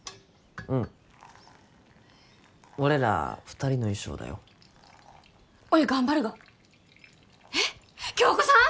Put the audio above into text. うん俺ら２人の衣装だよおい頑張るがえっ響子さん